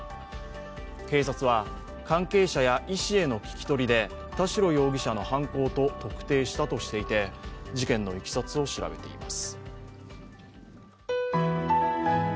警察は関係者や医師への聞き取りで田代容疑者の犯行と特定したとしていて、事件のいきさつを調べています。